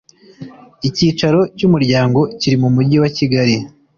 icyicaro cy umuryango kiri mu mujyi wa kigali